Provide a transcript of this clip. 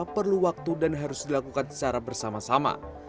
perlu waktu dan harus dilakukan secara bersama sama